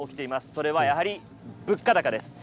それはやはり物価高です。